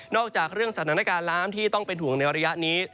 จากเรื่องสถานการณ์น้ำที่ต้องเป็นห่วงในระยะนี้